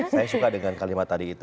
saya suka dengan kalimat tadi itu